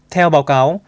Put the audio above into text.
theo báo cáo